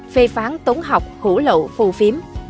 phê phán tốn học hủ lậu phù phím